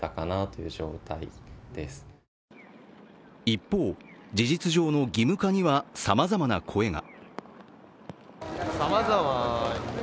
一方、事実上の義務化にはさまざまな声が。